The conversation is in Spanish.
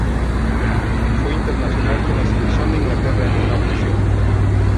Fue internacional con la Selección de Inglaterra en una ocasión.